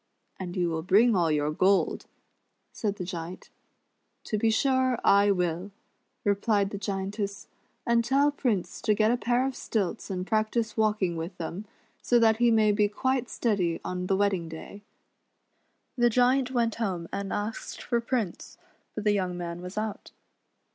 "And }'ou will bring all your gold," said the Giant. '* To be sure I will," replied the Giantess, " and tell Prince to get a pair of stilts and practice walking with them, so that he may be quite steady on the wedding day." So SUNBEAM AND HER WHITE RABBIT. The Giant went home and asked for Prince, but the young man was out.